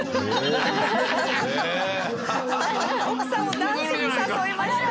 奥さんをダンスに誘いました！